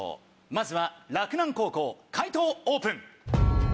まずは洛南高校解答オープン！